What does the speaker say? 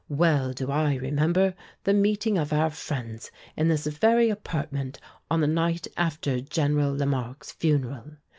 Well do I remember the meeting of our friends in this very apartment on the night after General Lamarque's funeral.